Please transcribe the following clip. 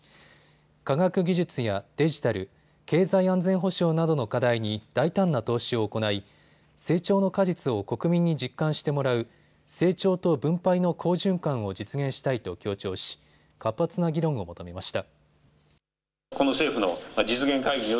科学技術やデジタル、経済安全保障などの課題に大胆な投資を行い成長の果実を国民に実感してもらう成長と分配の好循環を実現したいと強調し活発な議論を求めました。